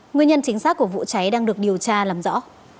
nguyên nhân chính xác của vụ cháy đang được điều tra làm rõ